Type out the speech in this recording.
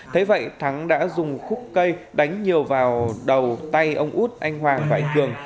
thế vậy thắng đã dùng khúc cây đánh nhiều vào đầu tay ông út anh hoàng và anh cường